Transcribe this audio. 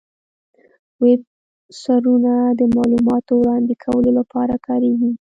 ویب سرورونه د معلوماتو وړاندې کولو لپاره کارېږي.